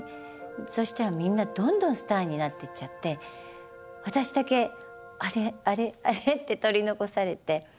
そしたらみんなどんどんスターになってっちゃって私だけ「あれ？あれ？あれ？」って取り残されて。